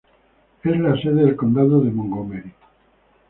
Es la sede del condado de Montgomery.